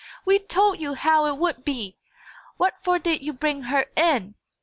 "We told you how it would be! What for did you bring her in?"